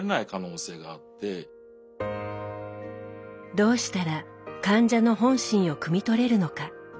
どうしたら患者の本心をくみ取れるのか。